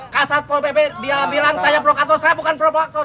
kasar pol pp dia bilang saya provokator saya bukan provokator